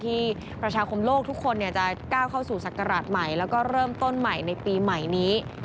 อีก๙ใหม่แล้วก็๙สำคัญที่ประชาคมโลกทุกคนจะ๙เข้าสู่ศักราชใหม่แล้วก็เริ่มต้นใหม่ในปีใหม่นี้